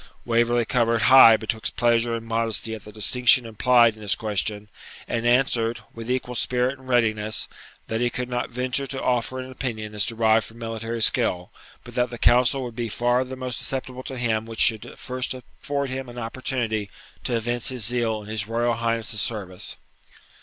Waverley coloured high betwixt pleasure and modesty at the distinction implied in this question, and answered, with equal spirit and readiness, that he could not venture to offer an opinion as derived from military skill, but that the counsel would be far the most acceptable to him which should first afford him an opportunity to evince his zeal in his Royal Highness's service.